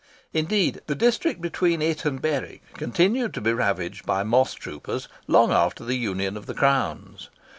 Indeed, the district between it and Berwick continued to be ravaged by moss troopers long after the union of the Crowns.